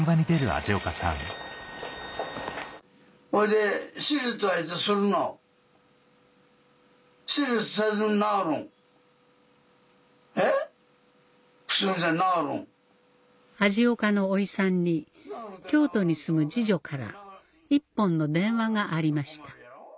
味岡のおいさんに京都に住む次女から一本の電話がありました